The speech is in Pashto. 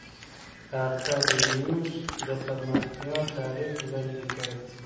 ارتر لیوس د پرمختیا تعریف وړاندې کړ.